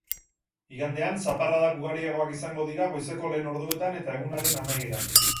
Igandean, zaparradak ugariagoak izango dira goizeko lehen orduetan eta egunaren amaieran.